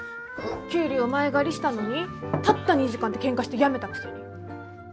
給料前借りしたのにたった２時間でケンカして辞めたくせに。